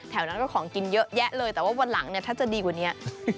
แถวนั้นก็ของกินเยอะแยะเลยแต่ว่าวันหลังเนี่ยถ้าจะดีกว่านี้